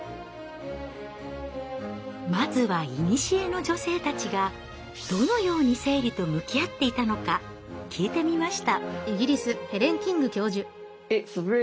まずはいにしえの女性たちがどのように生理と向き合っていたのか聞いてみました。